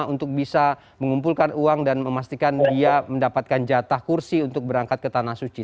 untuk bisa mengumpulkan uang dan memastikan dia mendapatkan jatah kursi untuk berangkat ke tanah suci